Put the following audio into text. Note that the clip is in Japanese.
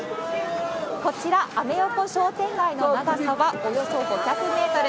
こちら、アメ横商店街の長さはおよそ５００メートル。